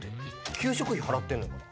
給食費払ってるんだから。